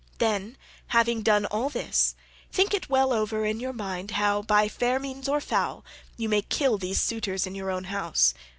Then, having done all this, think it well over in your mind how, by fair means or foul, you may kill these suitors in your own house.